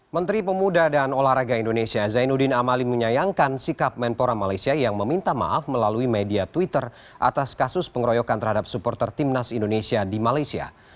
menteri pemuda dan olahraga indonesia zainuddin amali menyayangkan sikap menpora malaysia yang meminta maaf melalui media twitter atas kasus pengeroyokan terhadap supporter timnas indonesia di malaysia